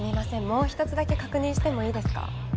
もう一つだけ確認してもいいですか？